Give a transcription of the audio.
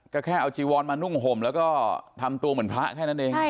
ก็แค่เอาจีวอนมานุ่งห่มแล้วก็ทำตัวเหมือนพระแค่นั้นเอง